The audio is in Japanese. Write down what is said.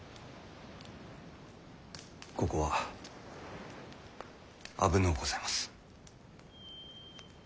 ここは危のうございます。